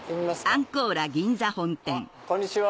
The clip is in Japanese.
あっこんにちは。